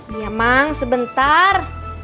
iya mang sebentar